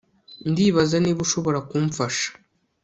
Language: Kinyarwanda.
Ndibaza niba ushobora kumfasha